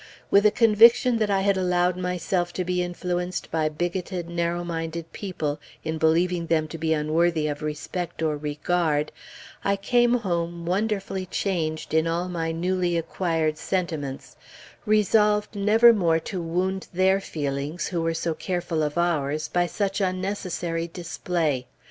With a conviction that I had allowed myself to be influenced by bigoted, narrow minded people, in believing them to be unworthy of respect or regard, I came home wonderfully changed in all my newly acquired sentiments, resolved never more to wound their feelings, who were so careful of ours, by such unnecessary display.